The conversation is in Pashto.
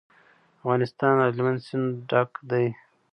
افغانستان له هلمند سیند ډک دی.